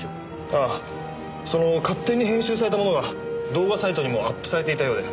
ああその勝手に編集されたものが動画サイトにもアップされていたようで。